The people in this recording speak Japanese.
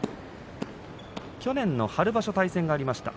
去年の春場所、対戦がありました。